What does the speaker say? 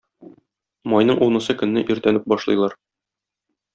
Майның унысы көнне иртән үк башлыйлар.